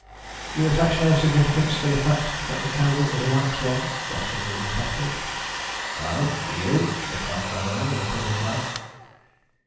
"You attach no significance to the fact that the candle is a wax one?" questioned the detective. "No, do you?" replied Galloway, with a puzzled glance.